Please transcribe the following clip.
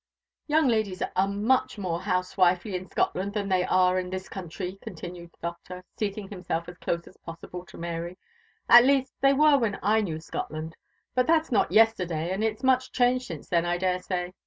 "Young ladies are much more house wifely in Scotland than they are in this country," continued the Doctor, seating himself as close as possible to Mary, "at least they were when I knew Scotland; but that's not yesterday, and it's much changed since then, I daresay.